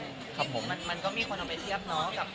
มันก็มีคนเอาไปเทียบน้อยกับ